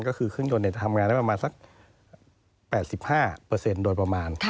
ก็คือเครื่องยนต์ทำงานได้ประมาณสัก๘๕โดยประมาณ